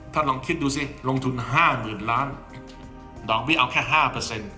ลองคิดดูสิลงทุนห้าหมื่นล้านดอกเบี้ยเอาแค่ห้าเปอร์เซ็นต์